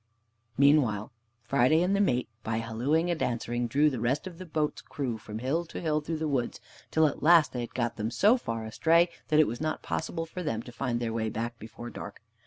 Meantime Friday and the mate, by hallooing and answering, drew the rest of the boat's crew from hill to hill through the woods, till at last they had got them so far astray that it was not possible for them to find their way back before dark.